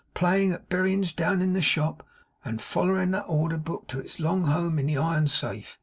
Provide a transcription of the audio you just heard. playing at berryins down in the shop, and follerin' the order book to its long home in the iron safe!